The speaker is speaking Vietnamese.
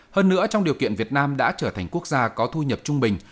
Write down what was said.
hơn nữa trong điều kiện việt nam đã trở thành quốc gia có thu nhập trung bình